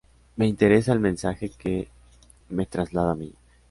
Me interesa el mensaje que me traslada a mí.